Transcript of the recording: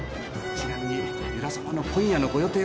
ちなみに由良さまの今夜のご予定は？